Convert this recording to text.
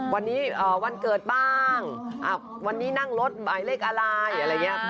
วันนี้วันเกิดบ้างวันนี้นั่งรถหมายเลขอะไรอะไรอย่างนี้